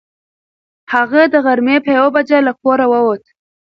هغه د غرمې په یوه بجه له کوره ووت.